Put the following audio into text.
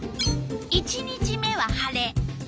１日目は晴れ。